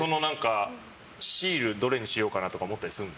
シールどれにしようかなとか思ったりするの？